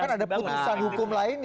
kan ada putusan hukum lain